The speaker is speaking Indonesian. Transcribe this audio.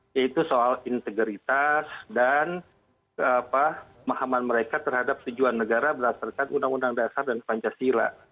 yaitu soal integritas dan pemahaman mereka terhadap tujuan negara berdasarkan undang undang dasar dan pancasila